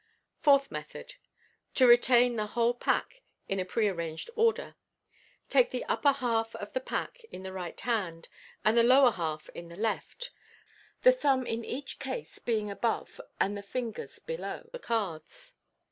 Fourth Method. (To retain the whole pack in a pre ar ranged order.) — Take the upper half of the pack in the right hand and the lower half in the left, the thumb in each case being above and the fingers below the cards.